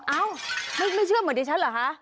เอ้าไม่เชื่อเหมือนดิฉันเหรอคะ